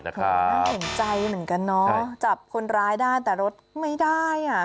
น่าเห็นใจเหมือนกันเนาะจับคนร้ายได้แต่รถไม่ได้อ่ะ